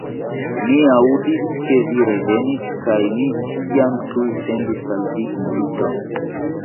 Mi aŭdis, ke vi revenis, kaj mi tiam tuj sendis al vi inviton.